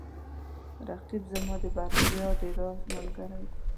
رقیب زما د بریا د راز ملګری دی